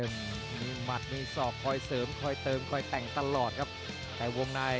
ดูครับนี่ครับกอตตีกระช่ามายัดเลยครับด้วยข่าวขวา